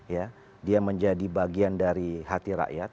ya dia menjadi bagian dari hati rakyat